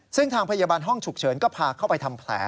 ซึ่งทางพยาบาลห้องฉุกเฉินก็พาเข้าไปทำแผล